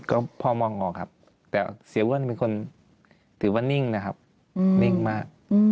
ก็พอมองออกครับแต่เสียอ้วนเป็นคนถือว่านิ่งนะครับนิ่งมาก